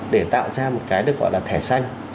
để tạo ra một cái được gọi là thẻ xanh